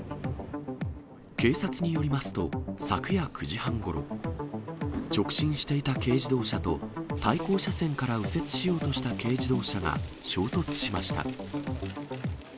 警察によりますと、昨夜９時半ごろ、直進していた軽自動車と、対向車線から右折しようとした軽自動車が衝突しました。